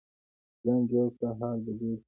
ځان جوړ کړه، حال به جوړ شي.